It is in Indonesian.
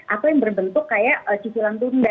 atau yang berbentuk kayak cicilan tunda